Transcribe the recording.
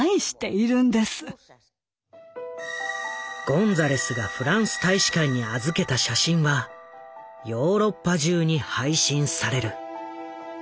ゴンザレスがフランス大使館に預けた写真はヨーロッパ中に配信される。